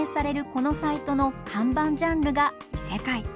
このサイトの看板ジャンルが「異世界」。